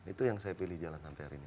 itu yang saya pilih jalan sampai hari ini